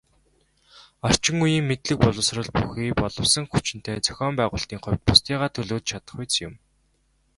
Орчин үеийн мэдлэг боловсрол бүхий боловсон хүчинтэй, зохион байгуулалтын хувьд бусдыгаа төлөөлж чадахуйц юм.